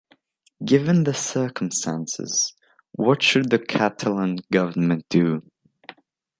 Given the circumstances, what should the Catalan Government do?